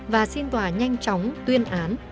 và xin tòa nhanh chóng tuyên án